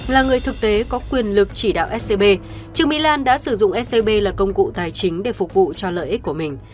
là người thực tế có quyền lực chỉ đạo scb trương mỹ lan đã sử dụng scb là công cụ tài chính để phục vụ cho lợi ích của mình